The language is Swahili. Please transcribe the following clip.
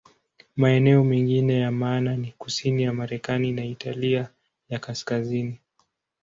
Maeneo mengine ya maana ni kusini ya Marekani na Italia ya Kaskazini.